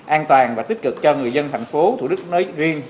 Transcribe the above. an toàn và tích cực cho người dân thành phố thủ đức nơi riêng